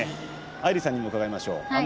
アイリさんにも伺いましょう。